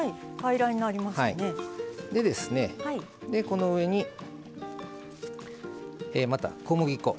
この上にまた小麦粉。